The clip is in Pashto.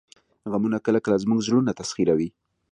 غمونه کله کله زموږ زړونه تسخیروي